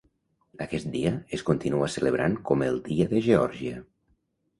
Aquest dia es continua celebrant com el Dia de Geòrgia.